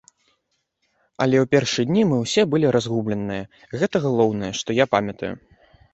Але ў першыя дні мы ўсе былі разгубленыя, гэта галоўнае, што я памятаю.